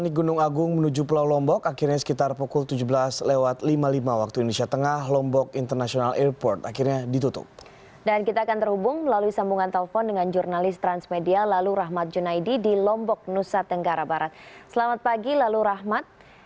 yang menambahkan kita hanya mengawasi saja semoga tetap berjalan dengan lancar proses tersebut